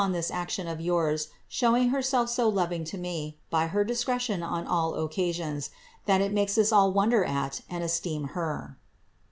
43 this action of yours, showing herself so loving to me, by her discretion on all occasions, that it makes us all wonder at and esteem her."